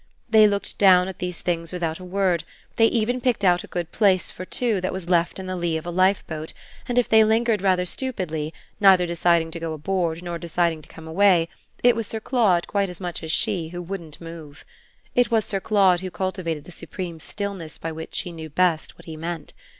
They looked down at these things without a word; they even picked out a good place for two that was left in the lee of a lifeboat; and if they lingered rather stupidly, neither deciding to go aboard nor deciding to come away, it was Sir Claude quite as much as she who wouldn't move. It was Sir Claude who cultivated the supreme stillness by which she knew best what he meant.